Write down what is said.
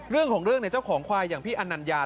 เรื่องของเรื่องในเจ้าของควายอย่างพี่อันนัญญา